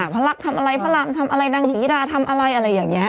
พระรักทำอะไรพระรามทำอะไรนางศรีดาทำอะไรอะไรอย่างนี้